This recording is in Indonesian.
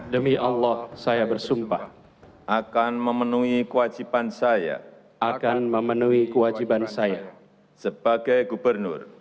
demi allah saya bersumpah akan memenuhi kewajiban saya sebagai gubernur